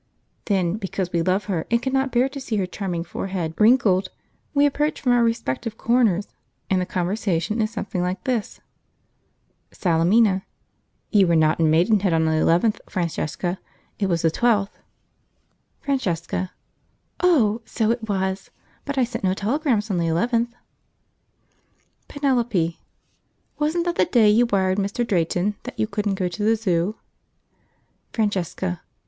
Then because we love her and cannot bear to see her charming forehead wrinkled, we approach from our respective corners, and the conversation is something like this: Salemina. "You were not at Maidenhead on the 11th, Francesca; it was the 12th." Francesca. "Oh! so it was; but I sent no telegrams on the 11th." Penelope. "Wasn't that the day you wired Mr. Drayton that you couldn't go to the Zoo?" Francesca.